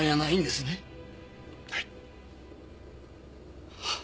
はい。